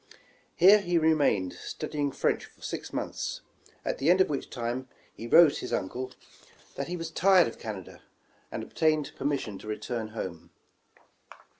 Here he remained, studying French for six months, at the end of which time he wrote his uncle that he was tired of Canada, and obtained permission to return home.